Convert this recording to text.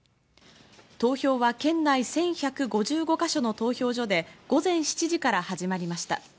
投票は県内１１５５か所の投票所で午前７時から始まりました。